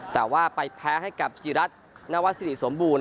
แต่ว่าไปแพ้ให้กับจิรัตนวสิริสมบูรณ